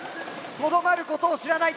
とどまることを知らない。